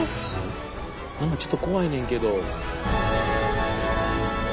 何かちょっと怖いねんけど。